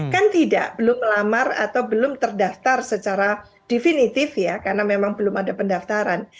kan tidak belum melamar atau belum terdaftar secara definitif ya karena memang belum ada pendaftaran